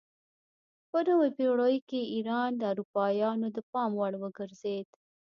په نویو پیړیو کې ایران د اروپایانو د پام وړ وګرځید.